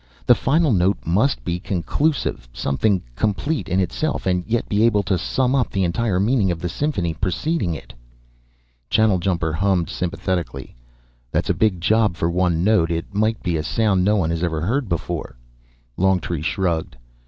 "The final note must be conclusive, something complete in itself and yet be able to sum up the entire meaning of the symphony preceding it." Channeljumper hummed sympathetically. "That's a big job for one note. It might be a sound no one has ever heard before." Longtree shrugged.